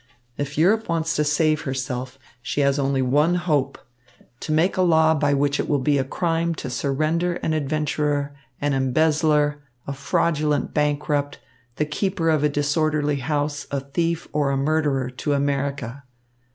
If Europe wants to save herself, she has only one hope to make a law by which it will be a crime to surrender an adventurer, an embezzler, a fraudulent bankrupt, the keeper of a disorderly house, a thief, or a murderer to America.